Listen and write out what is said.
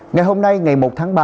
ngày hôm nay ngày một tháng ba